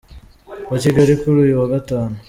wa Kigali, kuri uyu wa Gatanu.